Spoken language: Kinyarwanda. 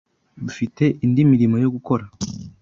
Dufite indi mirimo yo gukora.